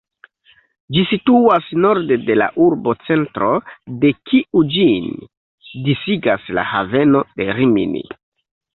Ĝi situas norde de la urbocentro, de kiu ĝin disigas la haveno de Rimini.